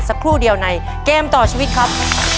สักครู่เดียวในเกมต่อชีวิตครับ